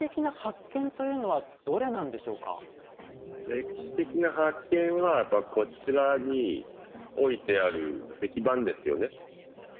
歴史的な発見はやっぱこちらに置いてある石盤ですよね。